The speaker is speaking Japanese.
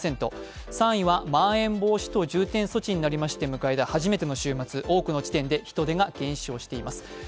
３位はまん延防止等重点措置になりまして迎えた初めての週末、多くの地点で人出が減少しています。